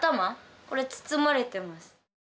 これ包まれてます。